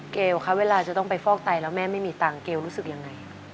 เกลคะเวลาจะต้องไปฟอกไตแล้วแม่ไม่มีตังค์เกลรู้สึกยังไง